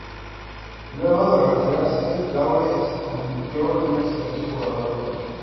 Luego de retirarse, Laurie se convirtió en un excelente jugador de golf.